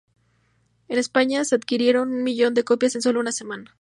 En España se adquirieron un millón de copias en sólo una semana.